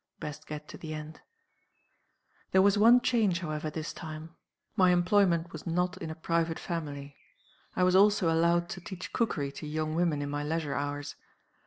Best get to the end. "There was one change, however, this time. My employment was not in a private family. I was also allowed to teach cookery to young women, in my leisure hours.